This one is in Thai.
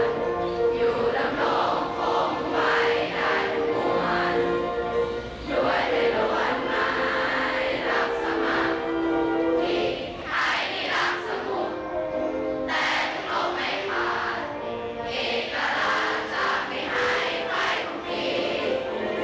ด้วยในละวันไม้รักสมัครที่ใครที่รักสมุทรแต่ทุกครบไม่ขาดอีกละลาจากไม่ให้ใครของพี่